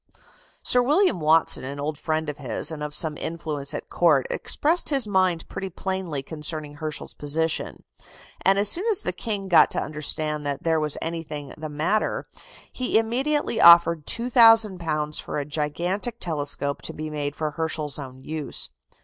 Sir William Watson, an old friend of his, and of some influence at Court, expressed his mind pretty plainly concerning Herschel's position; and as soon as the King got to understand that there was anything the matter, he immediately offered £2,000 for a gigantic telescope to be made for Herschel's own use.